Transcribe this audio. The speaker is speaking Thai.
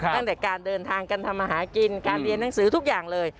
ตั้งแต่การเดินทางกันทำมาหากินการเรียนหนังสือทุกอย่างเลย